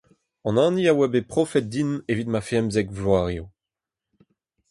An hini a oa bet profet din evit ma femzek vloaz eo.